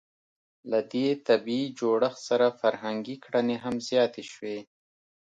له دې طبیعي جوړښت سره فرهنګي کړنې هم زیاتې شوې.